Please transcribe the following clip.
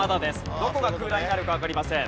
どこが空欄になるかわかりません。